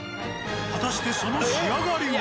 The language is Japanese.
果たしてその仕上がりは。